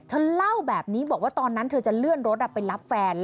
เธอเล่าแบบนี้บอกว่าตอนนั้นเธอจะเลื่อนรถไปรับแฟน